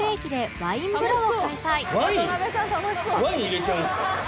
ワイン入れちゃうんですか？